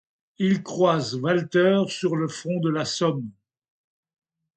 Il croise Walter sur le front de la Somme.